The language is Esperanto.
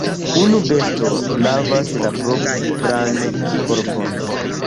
Unu besto lavas la propran korpon.